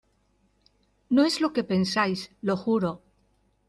No es lo que pensáis, lo juro.